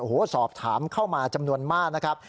โอ้โหสอบถามเข้ามาจำนวนมากนะครับ